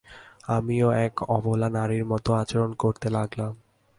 আমিও এক অবলা নারীর মত আচরণ করতে লাগলাম।